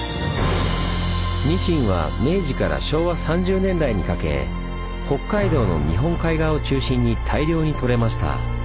ニシンは明治から昭和３０年代にかけ北海道の日本海側を中心に大量にとれました。